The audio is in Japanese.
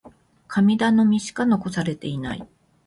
神頼みしか残されていない。